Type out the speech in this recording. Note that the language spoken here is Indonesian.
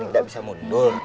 tidak bisa mundur